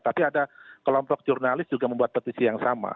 tapi ada kelompok jurnalis juga membuat petisi yang sama